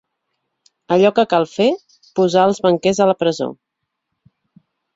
Allò que cal fer, posar els banquers a la presó.